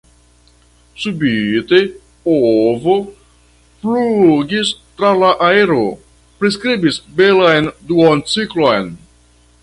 Subite ovo flugis tra la aero, priskribis belan duoncirklon.